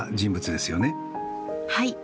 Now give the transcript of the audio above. はい。